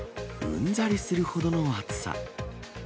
うんざりするほどの暑さ。